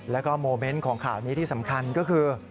แล้วก็โมเมนต์ของข่าวนี้ที่สำคัญก็คือ